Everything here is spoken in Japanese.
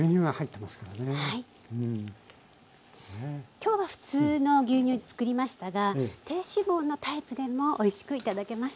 今日は普通の牛乳で作りましたが低脂肪のタイプでもおいしく頂けます。